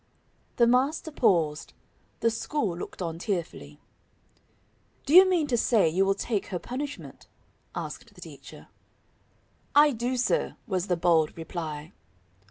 The master paused; the school looked on tearfully. "Do you mean to say you will take her punishment?" asked the teacher. "I do sir," was the bold reply.